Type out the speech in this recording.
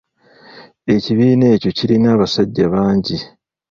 Ekibiina ekyo kirina abasajja bangi.